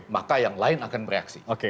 maka yang lain akan bereaksi